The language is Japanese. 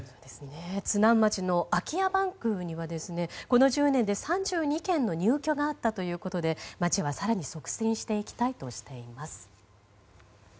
津南町の空き家バンクにはこの１０年で３２件の入居があったということで町は更に促進していきたいとしています。